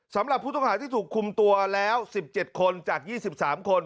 สำหรับผู้ต้องหาที่ถูกคุมตัวแล้ว๑๗คนจาก๒๓คน